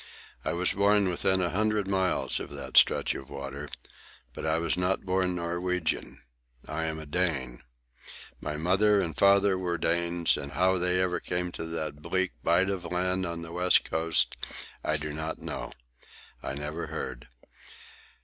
I was born within a hundred miles of that stretch of water. But I was not born Norwegian. I am a Dane. My father and mother were Danes, and how they ever came to that bleak bight of land on the west coast I do not know. I never heard.